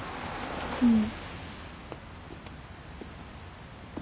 うん。